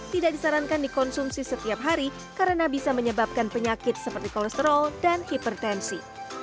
tidak disarankan dikonsumsi setiap hari karena bisa menyebabkan penyakit seperti kolesterol dan hipertensi